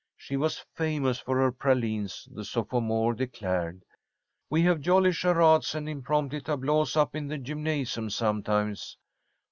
She was famous for her pralines, the sophomore declared. "We have jolly charades and impromptu tableaux up in the gymnasium sometimes.